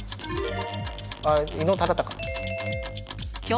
あっ伊能忠敬。